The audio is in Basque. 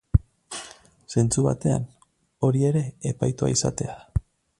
Zentzu batean, hori ere epaitua izatea da.